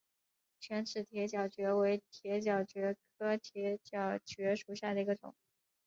腺齿铁角蕨为铁角蕨科铁角蕨属下的一个种。